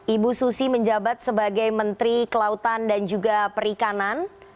ibu susi menjabat sebagai menteri kelautan dan juga perikanan